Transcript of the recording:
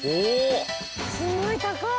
すごい高い！